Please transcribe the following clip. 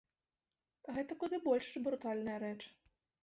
Гэта куды больш брутальная рэч.